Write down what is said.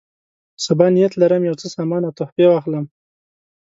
سبا نیت لرم یو څه سامان او تحفې واخلم.